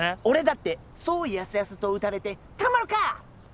俺だってそうやすやすと打たれてたまるか！